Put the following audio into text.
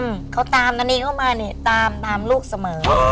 ตามเขาตามนานีเข้ามาเนี่ยตามตามลูกเสมอ